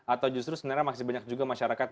atau justru sebenarnya masih banyak juga masyarakat